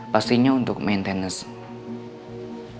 pastinya untuk maintenance